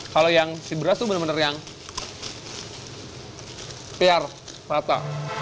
kalau yang si beras tuh benar benar yang pr merata